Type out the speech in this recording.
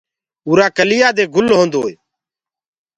اُرآ ڪليآ دي گُل هودو هي۔